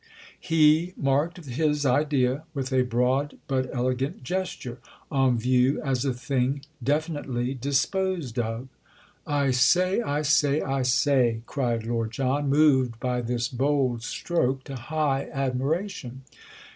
He marked his idea with a broad but elegant gesture. "On view as a thing definitely disposed of." "I say, I say, I say!" cried Lord John, moved by this bold stroke to high admiration.